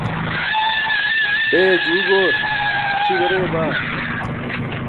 beeya, juu goor, tʰi bareya baa.